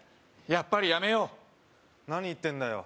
やっぱりやめよう何言ってんだよ